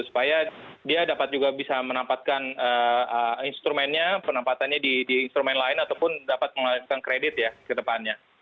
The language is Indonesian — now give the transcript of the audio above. supaya dia dapat juga bisa menempatkan instrumennya penempatannya di instrumen lain ataupun dapat mengalihkan kredit ya ke depannya